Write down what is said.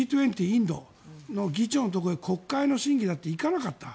インドの議長のところで国会の審議もあって行かなかった。